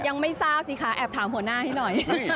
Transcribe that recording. ยังไม่ทราบสิคะแอบถามหัวหน้าให้หน่อย